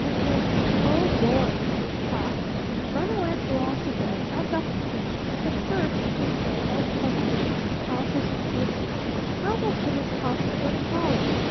And then, 'Oh, gorry!' says Pa. 'Run away and g'long to bed. I've got to think. But first,' he says, all suddenly cautious and thrifty, 'how much does it cost to go to college?'